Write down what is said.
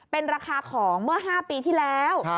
เป็นราคาของเมื่อ๕ปีที่แล้ว